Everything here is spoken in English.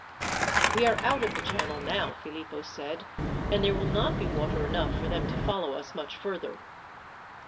"We are out of the channel now," Philippo said, "and there will not be water enough for them to follow us much further."